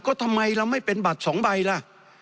ก็ทำไมเราไม่เป็นบัตร๒ใบล่ะ